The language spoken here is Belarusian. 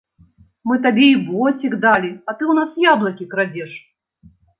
Мы табе і боцік далі, а ты ў нас яблыкі крадзеш!